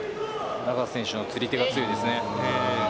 永瀬選手の釣り手が強いですね。